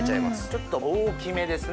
ちょっと大きめですね。